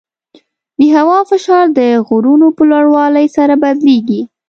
د هوا فشار د غرونو په لوړوالي سره بدلېږي.